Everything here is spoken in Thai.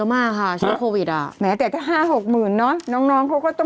ว่าช่วงไม่เกินสามสี่